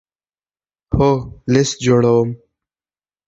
هو، لست جوړوم